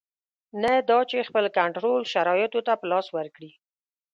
نه دا چې خپل کنټرول شرایطو ته په لاس ورکړي.